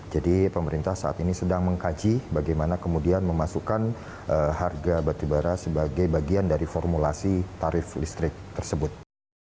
jadi pemerintah saat ini sedang mengkaji bagaimana kemudian memasukkan harga batubara sebagai bagian dari formulasi tarif listrik tersebut